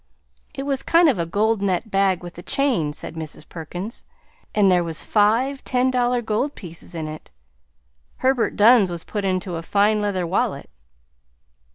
"It was kind of a gold net bag with a chain," said Mrs. Perkins, "and there was five ten dollar gold pieces in it. Herbert Dunn's was put in a fine leather wallet."